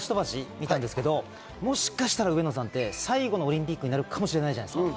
もしかしたら上野さんって最後のオリンピックになるかもしれないじゃないですか。